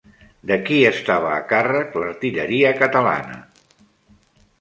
De qui estava a càrrec l'artilleria catalana?